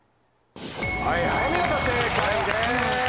お見事正解です。